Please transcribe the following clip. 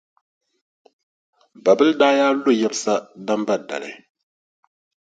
Babila daa yaa lo yɛbisa Damba dali.